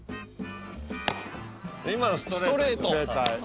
今のストレートでしょ